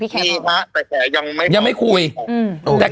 ติดต่ออยู่พี่แขนบอกมีค่ะแต่แขนยังไม่ยังไม่คุยอืมแต่